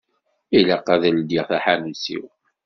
Ilaq ad ldiɣ taḥanut-iw.